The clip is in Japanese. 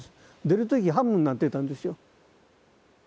出る時ハムになってたんですよ。